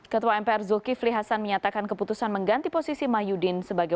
ketua mpr zulkifli hasan menyatakan keputusan mengganti posisi mahyudin sebagai